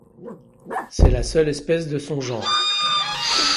C'est la seule espèce de son genre.